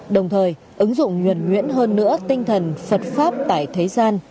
đồng thời ứng dụng nhuẩn nhuyễn hơn nữa tinh thần phật pháp tại thế gian